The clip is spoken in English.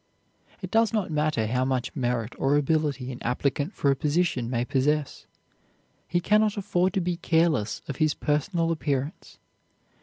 It does not matter how much merit or ability an applicant for a position may possess, he can not afford to be careless of his personal appearance.